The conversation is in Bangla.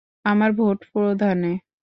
আমার ভোট প্রদানে।